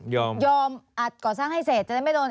ยอมอาจก่อสร้างให้เสร็จ